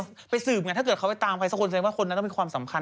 พยายามเขาไปสืบไงถ้าเขาไปตามใครสักคนเสียงว่าคนนั้นต้องมีความสำคัญ